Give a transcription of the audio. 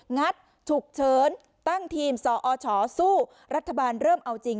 งัดฉุกเฉินตั้งทีมสอชสู้รัฐบาลเริ่มเอาจริง